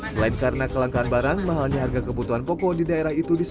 selain karena kelangkaan barang mahalnya harga kebutuhan pokok di daerah itu diperlukan